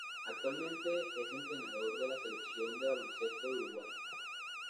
Actualmente es entrenador de la Selección de baloncesto de Uruguay.